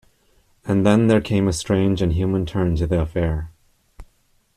And then there came a strange and human turn to the affair.